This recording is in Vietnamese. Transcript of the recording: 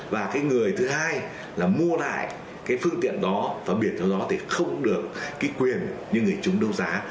và cái người thứ hai là mua lại cái phương tiện đó và biển theo đó thì không được cái quyền như người chúng đấu giá